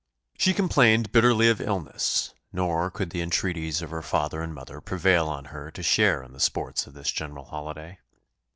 She complained bitterly of illness, nor could the entreaties of her father and mother prevail on her to share in the sports of this general holiday.